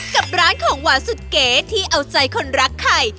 กับร้านของหวานสุดเก๋ที่เอาใจคนรักไข่